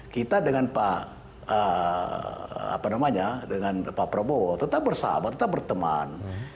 kita dengan pak prabowo tetap bersahabat tetap berteman